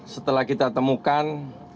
setelah kita temukan